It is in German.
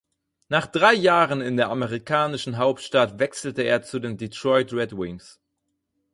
Nach drei Jahren in der amerikanischen Hauptstadt wechselte er zu den Detroit Red Wings.